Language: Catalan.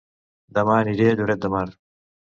Dema aniré a Lloret de Mar